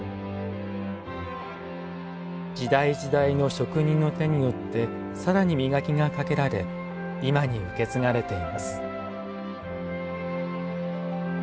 時代時代の職人の手によって更に磨きがかけられ今に受け継がれています。